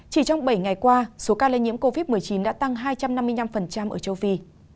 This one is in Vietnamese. chỉ trong bảy ngày qua số ca lây nhiễm covid một mươi chín đã tăng hai trăm năm mươi năm ở châu phi